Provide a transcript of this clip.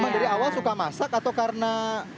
memang dari awal suka masak atau karena